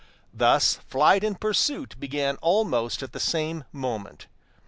Thus flight and pursuit began almost at the same moment.